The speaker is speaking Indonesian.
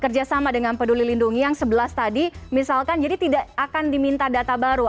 kerjasama dengan peduli lindungi yang sebelas tadi misalkan jadi tidak akan diminta data baru